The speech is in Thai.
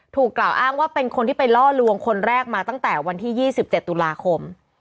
ถูกกล่าวอ้างว่าเป็นคนที่ไปล่อลวงคนแรกมาตั้งแต่วันที่๒๗ตุลาคม